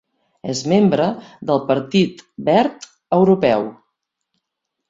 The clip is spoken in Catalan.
És membre del Partit Verd Europeu.